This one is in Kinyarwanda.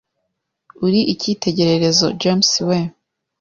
uri ikitegererezo James we